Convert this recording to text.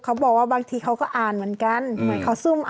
เขาบอกว่าบางทีเขาก็อ่านเหมือนกันเหมือนเขาซุ่ม